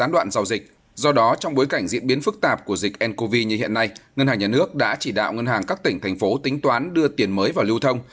do đó trong bối cảnh diễn biến phức tạp của dịch ncov như hiện nay ngân hàng nhà nước đã chỉ đạo ngân hàng các tỉnh thành phố tính toán đưa tiền mới vào lưu thông